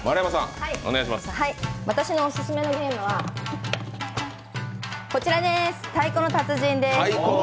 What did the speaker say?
私のオススメのゲームは「太鼓の達人」です。